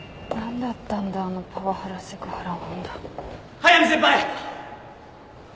・速見先輩！